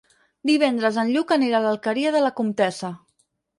Divendres en Lluc anirà a l'Alqueria de la Comtessa.